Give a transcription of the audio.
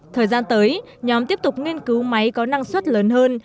thời gian tới nhóm tiếp tục nghiên cứu máy có năng suất lớn hơn